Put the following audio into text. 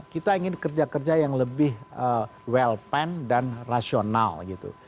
kita ingin kerja kerja yang lebih well pen dan rasional gitu